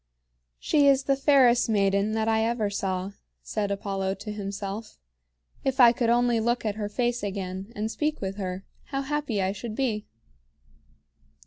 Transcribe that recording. "She is the fairest maiden that I ever saw," said Apollo to himself. "If I could only look at her face again and speak with her, how happy I should be."